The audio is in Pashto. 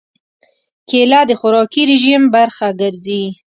کېله د خوراکي رژیم برخه ګرځي.